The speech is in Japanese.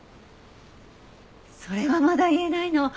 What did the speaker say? それはまだ言えないの。